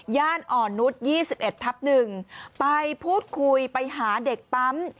ญาณอ่อนนุษยี่สิบเอ็ดทับหนึ่งไปพูดคุยไปหาเด็กปั๊ม